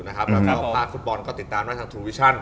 แล้วก็ภาคฟุตบอลก็ติดตามได้ทางทูวิชั่น